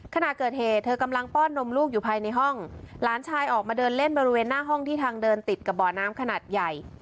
ขณะเกิดเหตุเธอกำลังป้อนนมลูกอยู่ภายในห้องหลานชายออกมาเดินเล่นบริเวณหน้าห้องที่ทางเดินติดกับบ่อน้ำขนาดใหญ่